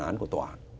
án của tòa